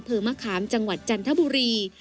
อัมเภอมะขามจังหวัดจันทบุรี